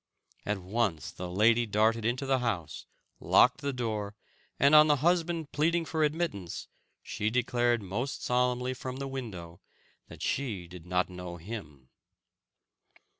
At once the lady darted into the house, locked the door, and, on the husband pleading for admittance, she declared most solemnly from the window that she did not know him.